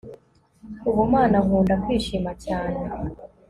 ubumana, nkunda kwishima cyane